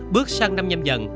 bước sang năm nhâm dần